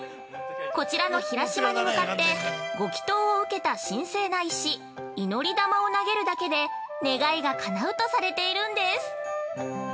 こちらの平島に向かってご祈祷を受けた神聖な石祈り球を投げるだけで願いがかなうとされているんです。